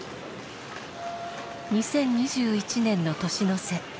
２０２１年の年の瀬。